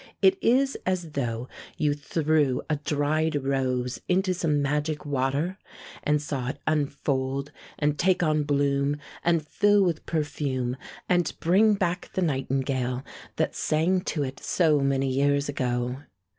It is as though you threw a dried rose into some magic water, and saw it unfold and take on bloom, and fill with perfume, and bring back the nightingale that sang to it so many years ago.